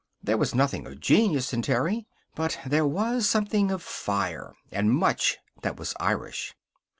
There was nothing of genius in Terry, but there was something of fire, and much that was Irish.